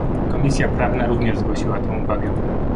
Komisja Prawna również zgłosiła tę uwagę